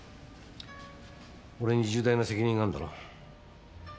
俺に重大な責任があんだろ？